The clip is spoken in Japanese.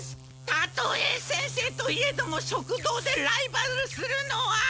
たとえ先生といえども食堂でライバルするのは。